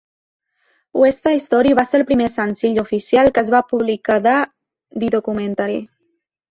"Westside Story" va ser el primer senzill oficial que es va publicar de "The Documentary".